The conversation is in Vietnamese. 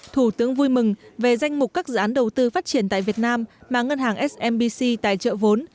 thủ tướng vui mừng về danh mục các dự án đầu tư phát triển tại việt nam mà ngân hàng smbc tài trợ vốn